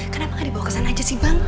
kenapa gak dibawa kesana aja sih bang